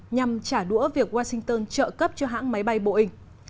nhằm trả đũa việc washington trợ cấp cho hãng máy bay boeing